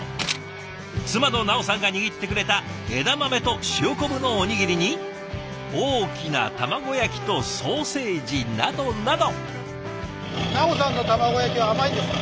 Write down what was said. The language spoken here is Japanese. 妻のナオさんが握ってくれた枝豆と塩昆布のおにぎりに大きな卵焼きとソーセージなどなど。